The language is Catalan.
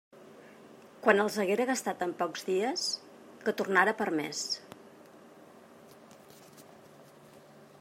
Quan els haguera gastat en pocs dies, que tornara per més.